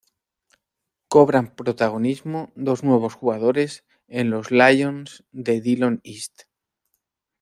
Cobran protagonismo dos nuevos jugadores en los Lions de Dillon East.